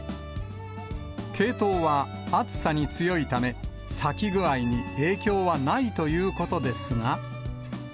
ケイトウは、暑さに強いため、咲き具合に影響はないということですが。